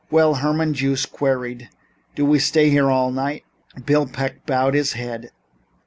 "Well," Herman Joost queried, "do we stay here all night?" Bill Peck bowed his head.